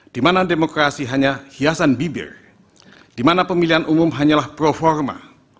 di mana demokrasi hanya hiasan bibir di mana pemilihan umum hanyalah performa